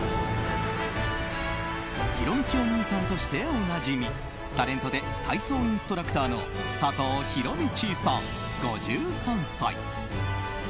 ひろみちお兄さんとしておなじみタレントで体操インストラクターの佐藤弘道さん、５３歳。